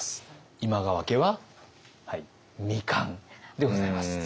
今川家は「未完」でございます。